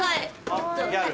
ギャル。